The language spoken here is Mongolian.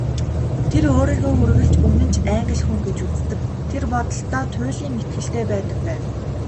Тэр өөрийгөө үргэлж үнэнч Англи хүн гэж үздэг, тэр бодолдоо туйлын итгэлтэй байдаг байв.